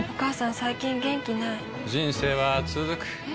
最近元気ない人生はつづくえ？